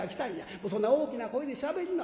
『もうそんな大きな声でしゃべりな。